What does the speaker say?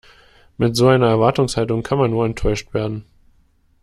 Mit so einer Erwartungshaltung kann man nur enttäuscht werden.